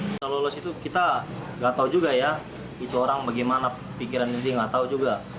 setelah lolos itu kita nggak tahu juga ya itu orang bagaimana pikiran dia nggak tahu juga